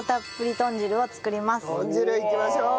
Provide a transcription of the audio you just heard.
豚汁いきましょう！